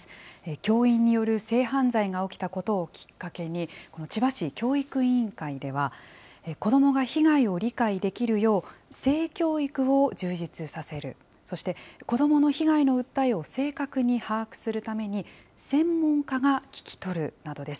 教員による性犯罪が起きたことをきっかけに、千葉市教育委員会では、子どもが被害を理解できるよう、性教育を充実させる、そして子どもの被害の訴えを正確に把握するために、専門家が聞き取るなどです。